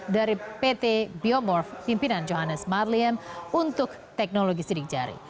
dari pt biomorph pimpinan johannes marlim untuk teknologi sidik jari